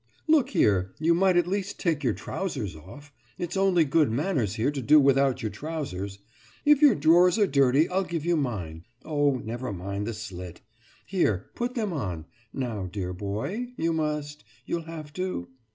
Look here, you might at least take your trousers off. It's only good manners here to do without your trousers. If your drawers are dirty I'll give you mine. Oh, never mind the slit. Here, put them on. Now, my dear boy, you must, you'll have to....